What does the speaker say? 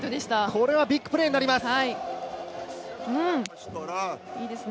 これはビッグプレーになります。